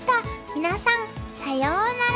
皆さんさようなら！